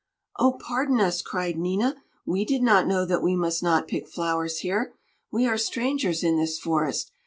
"Oh, pardon us," cried Nina; "we did not know that we must not pick flowers here. We are strangers in this forest.